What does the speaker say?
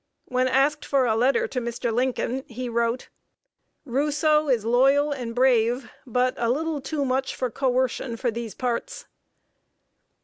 When asked for a letter to Mr. Lincoln, he wrote: "Rousseau is loyal and brave, but a little too much for coercion for these parts."